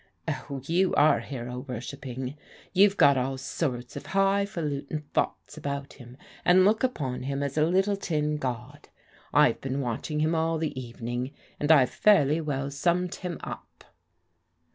" Oh, you are hero worshipping. You've got all sorts of high falutin' thoughts about him, and look upon him as a little tin god. I've been watching him all the evexi ing, and I've fairly well stimmed him up."